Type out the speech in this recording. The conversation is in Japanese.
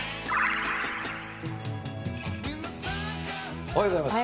おはようございます。